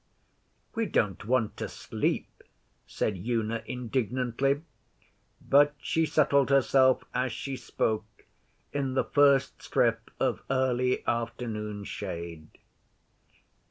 'We don't want to sleep,' said Una indignantly; but she settled herself as she spoke, in the first strip of early afternoon shade.